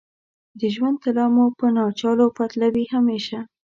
د ژوند طلا مو په ناچلو بدلوې همیشه